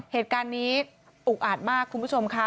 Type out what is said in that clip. เหตุการณ์นี้อุกอาจมากคุณผู้ชมค่ะ